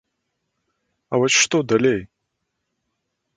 А вось што далей?